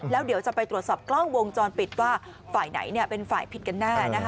แล้วเดี๋ยวจะไปตรวจสอบกล้องวงจรปิดว่าฝ่ายไหนเป็นฝ่ายผิดกันแน่